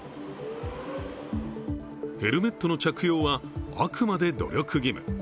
ヘルメットの着用は、あくまで努力義務。